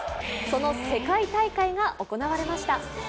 その世界大会が行われました。